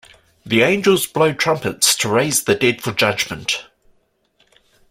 The angels blow trumpets to raise the dead for judgment.